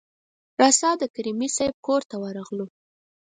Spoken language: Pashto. راسآ د کریمي صیب کورته ورغلو.